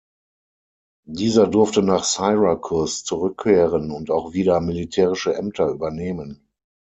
Dieser durfte nach Syrakus zurückkehren und auch wieder militärische Ämter übernehmen.